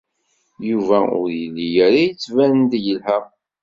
Yuba ur yelli ara yettban-d yelha.